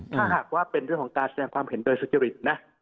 ถ้าหากว่าเป็นเรื่องของการแสดงความเห็นโดยสุจริตนะ